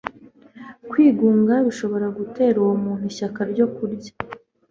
kwigunga bashobora gutera uwo muntu ishyaka ryo kurya